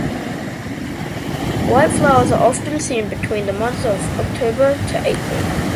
White flowers are often seen between the months of October to April.